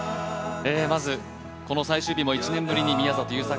まずこの最終日も、１年ぶりに宮里優作